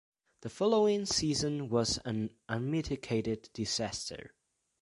The following season was an unmitigated disaster.